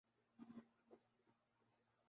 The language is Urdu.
اس سے چمٹے رہتا ہے۔